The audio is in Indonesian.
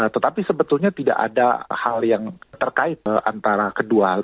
tetapi sebetulnya tidak ada hal yang terkait antara kedua